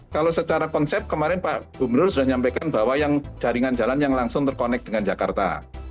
kalau secara konsep kemarin pak gubernur sudah menyampaikan bahwa yang jaringan jalan yang langsung terkonek dengan jakarta